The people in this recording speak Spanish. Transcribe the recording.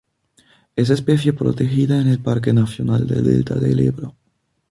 Es especie protegida en el Parque Nacional del Delta del Ebro.